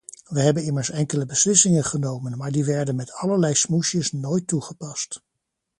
Wij hebben immers enkele beslissingen genomen, maar die werden met allerlei smoesjes nooit toegepast.